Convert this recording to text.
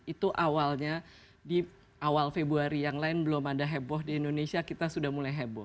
itu awalnya di awal februari yang lain belum ada heboh di indonesia kita sudah mulai heboh